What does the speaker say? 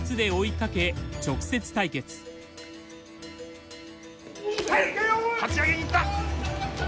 かち上げにいった！